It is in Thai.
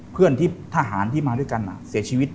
เพื่อนที่ทหารที่มาด้วยกันเสียชีวิต